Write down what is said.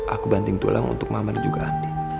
aku banting tulang untuk mama dan juga andi